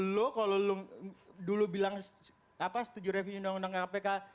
lo kalau lo dulu bilang setuju revisi undang undang kpk